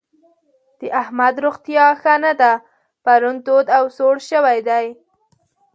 د احمد روغتيا ښه نه ده؛ پرون تود او سوړ شوی دی.